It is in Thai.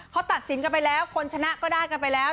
เขาตัดสินกันไปแล้วคนชนะก็ได้กันไปแล้ว